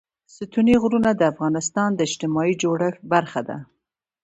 ستوني غرونه د افغانستان د اجتماعي جوړښت برخه ده.